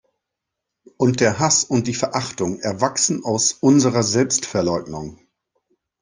Und der Hass und die Verachtung erwachsen aus unserer Selbstverleugnung.